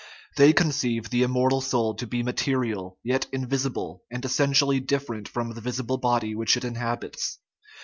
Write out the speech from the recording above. They conceive the immortal soul to be material, yet invisible, and essentially different from the visible body which it inhabits.